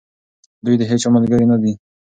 دوی د هیچا ملګري نه دي.